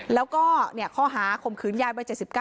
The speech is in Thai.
แล้วก็ข้อหาข่มขืนยายวัย๗๙